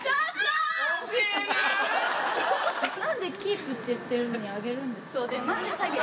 なんでキープって言ってるのなんで上げるんですか。